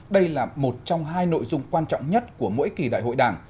đây là một trong hai nội dung quan trọng nhất của mỗi kỳ đại hội đảng